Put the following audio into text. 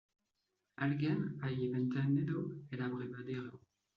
¡ Alguien ha envenenado el abrevadero!